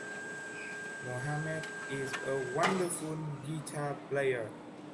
Mohammed is a wonderful guitar player.